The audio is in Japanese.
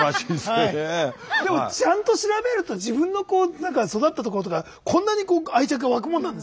でもちゃんと調べると自分のこう何か育った所とかこんなに愛着が湧くもんなんですね。